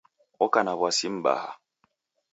Oka na w'asi mbaha